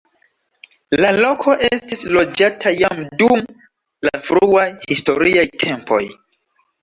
La loko estis loĝata jam dum la fruaj historiaj tempoj.